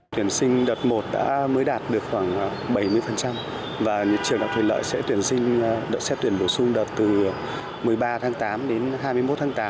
tuyển sinh đợt một đã mới đạt được khoảng bảy mươi và trường đại học thủy lợi sẽ tuyển sinh đợt xét tuyển bổ sung đợt từ một mươi ba tháng tám đến hai mươi một tháng tám